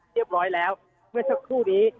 เรียบร้อยแล้วเมื่อสักครู่นี้